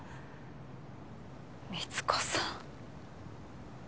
三津子さん。